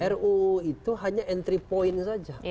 ru itu hanya entry point saja